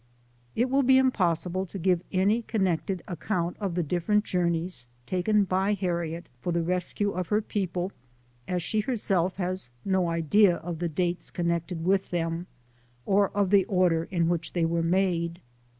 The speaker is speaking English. It will be impossible to give any connected ac count of the different journeys taken by Harriet for the rescue of her people, as she herself has no idea of the dates connected with them, or of the order in which they were made.